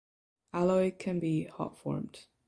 Alloy can be hot formed.